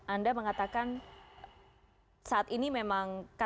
anda mengatakan saat ini memang katakanlah memang jadinya